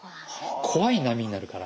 怖い波になるから。